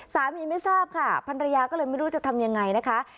ไม่ทราบค่ะภรรยาก็เลยไม่รู้จะทำยังไงนะคะ